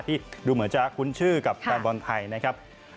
ที่ดูเหมือนจะคุ้นชื่อกับแฟนบอลไทยนะครับ